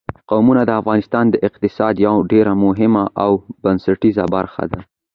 قومونه د افغانستان د اقتصاد یوه ډېره مهمه او بنسټیزه برخه ده.